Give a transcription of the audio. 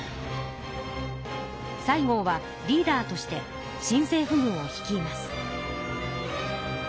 西郷はリーダーとして新政府軍を率います。